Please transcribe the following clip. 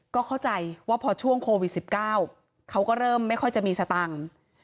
ก็เข้าใจว่าพอช่วงโควิด๑๙เขาก็เริ่มไม่ค่อยจะมีสตังค์